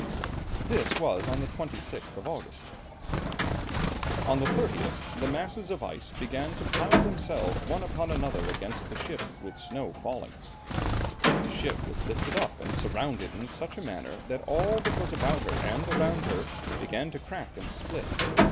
This was on the 26th of August. "On the 30th the masses of ice began to pile themselves one upon another against the ship, with snow falling. The ship was lifted up and surrounded in such a manner, that all that was about her and around her began to crack and split.